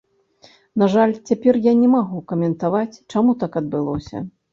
На жаль, цяпер я не магу каментаваць, чаму так адбылося.